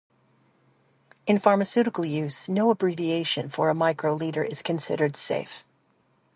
In pharmaceutical use no abbreviation for a microlitre is considered safe.